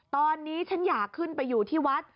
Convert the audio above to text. ตอนนี้ฉันอยากขึ้นไปอยู่ที่วัด